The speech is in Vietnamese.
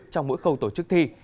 trong mỗi khâu tổ chức thi